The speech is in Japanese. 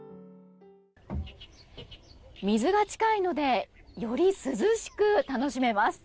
水が近いのでより涼しく楽しめます。